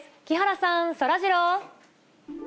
木原さん、そらジロー。